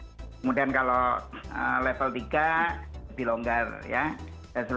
kemudian kalau level tiga lebih longgar ya